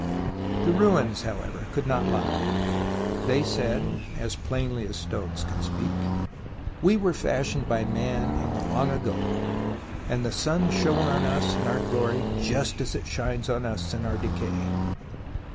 The ruins, however, could not lie. They said, as plainly as stones can speak :" We were fashioned by Man in the long ago, and the sun shone on us in our glory just as it shines on us in our decay."